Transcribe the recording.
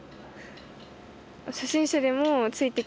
初心者でもついてけ